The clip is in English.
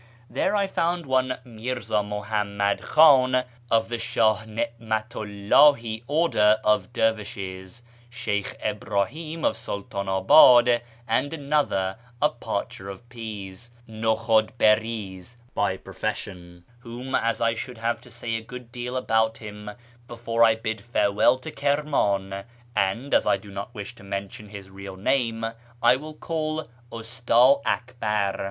There I found one Mirza Muhammad Khan, of the Shah Ni'matu 'Uahi order of dervishes ; Sheykh Ibrahim of Sultan abiid ; and another, a parcher of peas {iiohhud hiriz) by profession, whom, as I shall have to say a good deal about him before I bid farewell to Kirman, and as I do not wish to mention his real name, I will call Usta Akbar.